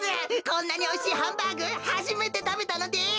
こんなにおいしいハンバーグはじめてたべたのです。